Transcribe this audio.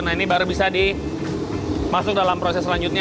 nah ini baru bisa dimasuk dalam proses selanjutnya